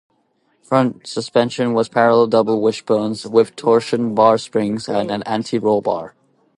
Front suspension was parallel double wishbones, with torsion bar springs and an anti-roll bar.